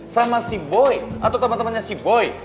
sama si boy atau temen temennya si boy